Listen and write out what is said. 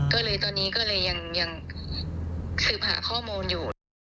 ก็เลยตอนนี้ก็เลยยังสืบหาข้อมูลอยู่นะคะ